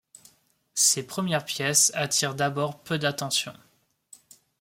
Ses premières pièces attirent d'abord peu d'attention.